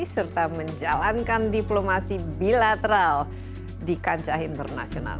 serta menjalankan diplomasi bilateral di kancah internasional